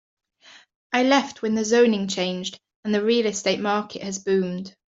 I left when the zoning changed and the real estate market has boomed.